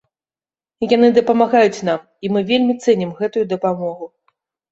Яны дапамагаюць нам, і мы вельмі цэнім гэтую дапамогу.